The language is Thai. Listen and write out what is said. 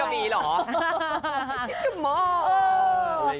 อ๋ออย่างงี้หรือเปล่า